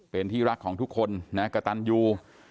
เป็นที่รักของทุกคนนะกระตันยู